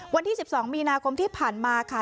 วันที่๑๒มีนาคมที่ผ่านมาค่ะ